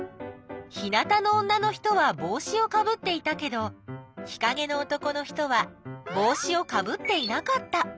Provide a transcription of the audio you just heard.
日なたの女の人はぼうしをかぶっていたけど日かげの男の人はぼうしをかぶっていなかった。